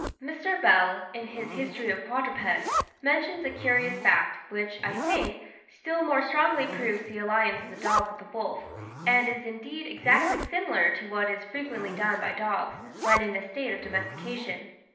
Mr. Bell, in his "History of Quadrupeds," mentions a curious fact, which, I think, still more strongly proves the alliance of the dog with the wolf, and is indeed exactly similar to what is frequently done by dogs when in a state of domestication.